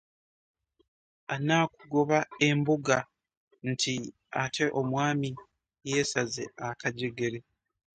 Annakugoba embuga nti ate omwami yesaze akajegere .